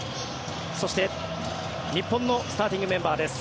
そして、日本のスターティングメンバーです。